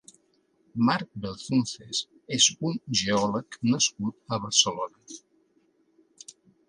Marc Belzunces és un geòleg nascut a Barcelona.